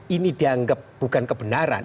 ini dianggap bukan kebenaran